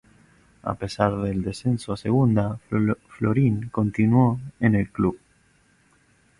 A pesar del descenso a Segunda, Florin continuó en el club.